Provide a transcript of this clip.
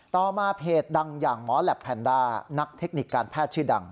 ต่อมาเพจดังอย่างหมอแหลปแพนด้านักเทคนิคการแพทย์ชื่อดัง